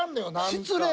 失礼！